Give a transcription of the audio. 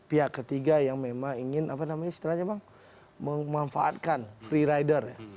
ada pihak ketiga yang memang ingin apa namanya setelahnya bang memanfaatkan free rider ya